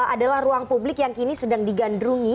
adalah ruang publik yang kini sedang digandrungi